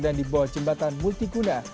dan di bawah jembatan multikuna